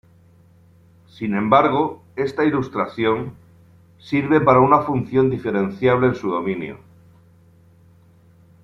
Sin embargo esta ilustración sirve para una función diferenciable en su dominio.